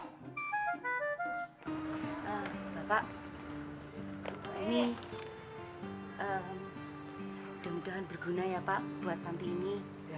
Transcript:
udah mudah mudahan berguna ya pak buat panti ini